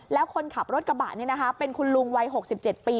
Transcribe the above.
แล้วคนขับรถกระบะนี่นะคะเป็นคุณลุงวัย๖๗ปี